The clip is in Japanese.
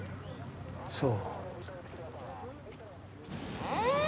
そう。